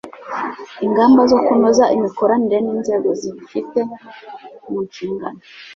ingamba zo kunoza imikoranire n inzego zibifite mu nshingano